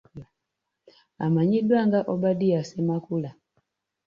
Amanyiddwa nga Obadia Ssemakula.